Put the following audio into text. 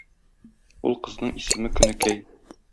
Ул кызның исеме Көнекәй.